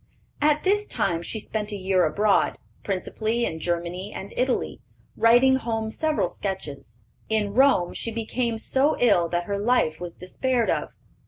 At this time she spent a year abroad, principally in Germany and Italy, writing home several sketches. In Rome she became so ill that her life was despaired of.